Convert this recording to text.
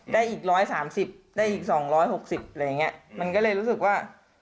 ได้อีก๑๓๐ได้อีก๒๖๐อะไรอย่างนี้มันก็เลยรู้สึกว่า